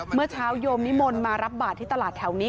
เมื่อเช้าโยมนิมนต์มารับบาทที่ตลาดแถวนี้